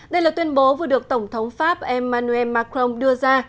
đây là tuyên bố vừa được tổng thống pháp emmanuel macron đưa ra